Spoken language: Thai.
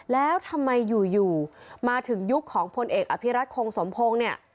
แล้วทำไมอยู่มาถึงยุคของพลเอกอภิรัตคงสมพงศ์เนี่ย